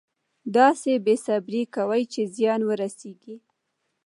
داسې بې صبري کوي چې زیان ورسېږي.